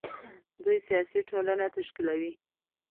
دوی سیاسي ټولنه تشکیلوي.